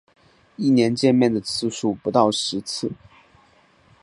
一年见面的次数不到十次